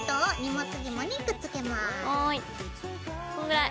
こんぐらい？